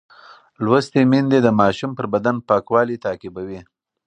لوستې میندې د ماشوم پر بدن پاکوالی تعقیبوي.